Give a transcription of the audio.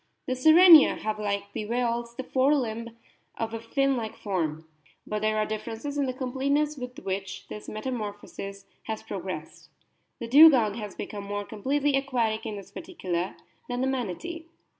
The Sirenia have, like the whales, the fore limb of WHALES AND SIREN1A 93 a fin like form. But there are differences in the completeness with which this metamorphosis has progressed. The Dugong has become more com pletely aquatic in this particular than the Manatee.